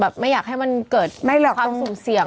ไม่อยากให้มันเกิดความสุ่มเสี่ยง